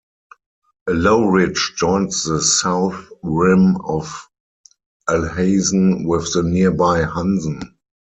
A low ridge joins the south rim of Alhazen with the nearby Hansen.